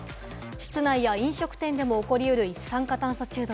室内や飲食店でも起こりうる一酸化炭素中毒。